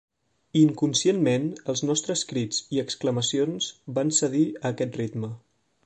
Inconscientment, els nostres crits i exclamacions van cedir a aquest ritme.